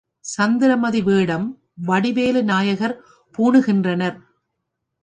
சந்திரமதி வேடம் வடிவேலு நாயகர் பூணுகின்றனர்.